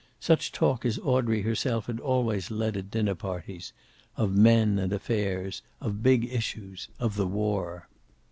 Such talk as Audrey herself had always led at dinner parties: of men and affairs, of big issues, of the war.